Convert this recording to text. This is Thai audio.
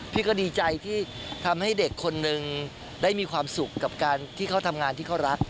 พี่ก็ดีใจที่ทำให้เด็กคนนึงได้มีความสุขกับการที่เขาทำงานที่เขารัก